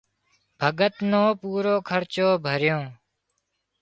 ڀڳت نو پورُو خرچو ڀريو